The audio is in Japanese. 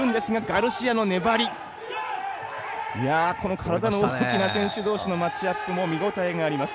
体の大きな選手同士のマッチアップも見応えがあります。